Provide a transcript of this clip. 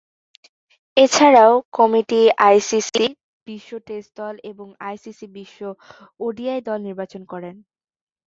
এছাড়াও, committee ICC বিশ্ব test দল এবং আইসিসি বিশ্ব ওডিআই দল নির্বাচন করেন।